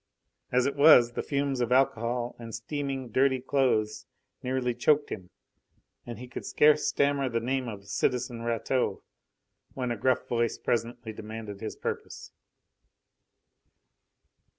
As it was, the fumes of alcohol and steaming, dirty clothes nearly choked him, and he could scarce stammer the name of "citizen Rateau" when a gruff voice presently demanded his purpose.